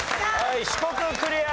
四国クリア！